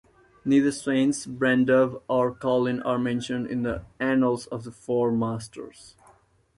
Neither saints Brandubh or Coluin are mentioned in the "Annals of the Four Masters".